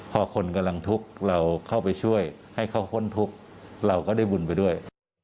พอคนกำลังทุกข์เราเข้าไปช่วยให้เขาพ่นทุกข์เราก็ได้บุญไปด้วย